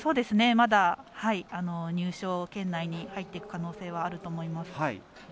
まだ、入賞圏内に入っていく可能性はあると思います。